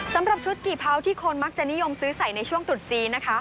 สำหรับชุดกี่เผาที่คนมักจะนิยมซื้อใส่ในช่วงตรุษจีนนะคะ